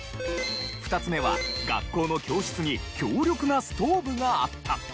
２つ目は学校の教室に強力なストーブがあった。